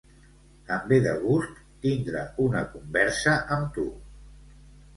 Em ve de gust tindre una conversa amb tu.